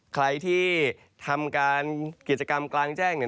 ใครที่ทำการกิจกรรมกลางแจ้ง